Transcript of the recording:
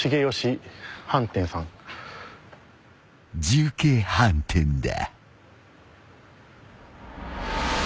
［重慶飯店だ］